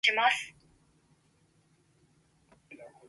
これは考察の内容です